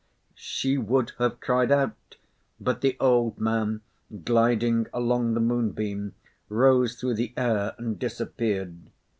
She would have cried out, but the old man, gliding along the moonbeam, rose through the air and disappeared.